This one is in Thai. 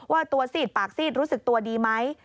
ว่าตัวซีดปากซีดรู้สึกตัวดีไหม